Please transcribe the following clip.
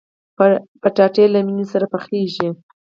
کچالو له مېنې سره پخېږي